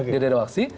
tidak ada waksi